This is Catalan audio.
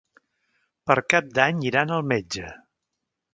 Per Cap d'Any iran al metge.